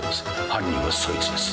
犯人はそいつです。